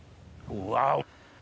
うわ！